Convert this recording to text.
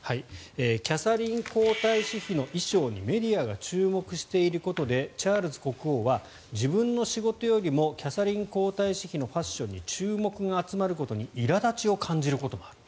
キャサリン皇太子妃の衣装にメディアが注目していることでチャールズ国王は自分の仕事よりもキャサリン皇太子妃のファッションに注目が集まることにいら立ちを感じることもある。